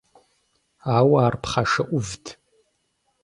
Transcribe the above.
Ауэ ар пхъашэ Ӏувт.